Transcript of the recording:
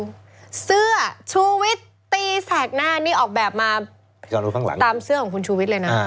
นี่ให้คุณผู้ชมดูเสื้อชุวิตตีแสกหน้านี่ออกแบบมาตามเสื้อของคุณชุวิตเลยนะ